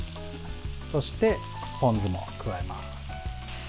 そして、ポン酢も加えます。